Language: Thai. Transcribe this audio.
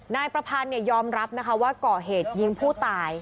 นายประพันธ์ยอมรับนะคะว่าก่อเหตุยิงผู้ตาย